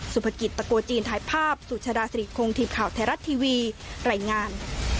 สุภกิจตะโกจีนถ่ายภาพสุชาดาสิริคงทีมข่าวไทยรัฐทีวีรายงาน